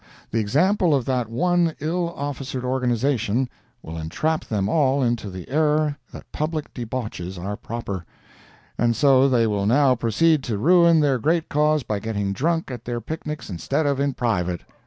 The example of that one ill officered organization will entrap them all into the error that public debauches are proper, and so they will now proceed to ruin their great cause by getting drunk at their picnics instead of in private.